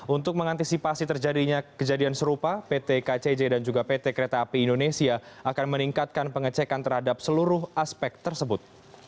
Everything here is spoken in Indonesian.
untuk mengantisipasi terjadinya kejadian serupa pt kcj dan juga pt kereta api indonesia akan meningkatkan pengecekan terhadap seluruh aspek tersebut